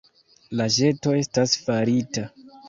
La ĵeto estas farita.